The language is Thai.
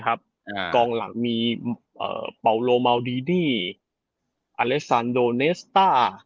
ครับอ่ากองหลังมีเอ่อเปาโลมาวดีดีอเลสซานโดเนสตา